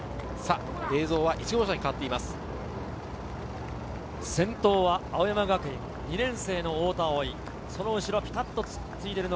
映像は１号車に変わっています。